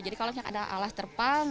jadi kalau misalnya ada alas terpang